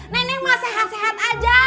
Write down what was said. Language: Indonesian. nenek mah sehat sehat aja